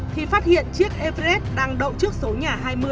thì phát hiện chiếc everes đang đậu trước số nhà hai mươi